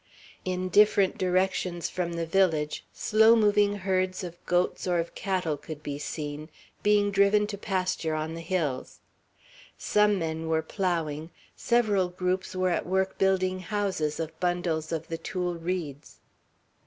In different directions from the village slow moving herds of goats or of cattle could be seen, being driven to pasture on the hills; some men were ploughing; several groups were at work building houses of bundles of the tule reeds.